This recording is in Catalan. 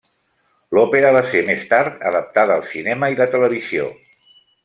L'òpera va ser més tard adaptada al cinema i la televisió.